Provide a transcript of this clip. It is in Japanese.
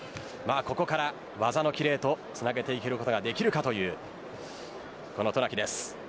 ここから技の切れへとつなげていくことができるかという渡名喜です。